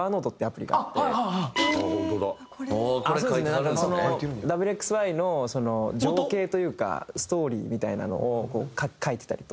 なんかその『Ｗ／Ｘ／Ｙ』の情景というかストーリーみたいなのをこう書いてたりとか。